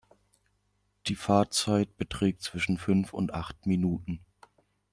Die Fahrtzeit beträgt zwischen fünf und acht Minuten.